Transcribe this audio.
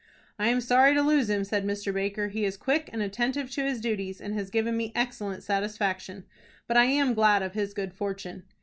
"I am sorry to lose him," said Mr. Baker. "He is quick and attentive to his duties, and has given me excellent satisfaction; but I am glad of his good fortune."